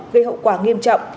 gây hậu quả nghiêm trọng